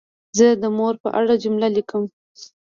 زه د مور په اړه جمله لیکم.